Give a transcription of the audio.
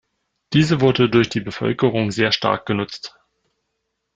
Diese wurde durch die Bevölkerung sehr stark genutzt.